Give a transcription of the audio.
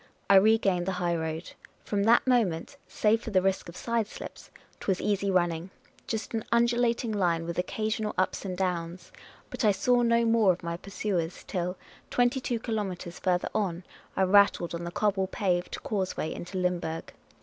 I regained the highroad. From that moment, save for the risk of sideslips, 't was easy running — just an undulating line with occasional ups and downs ; but I saw no more of my pursuers till, twenty two kilomeLres farther on, I rattled on the cobble paved cause way into lyimburg.